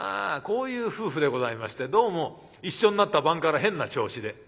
こういう夫婦でございましてどうも一緒になった晩から変な調子で。